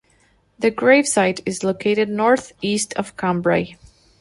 The gravesite is located north east of Cambrai.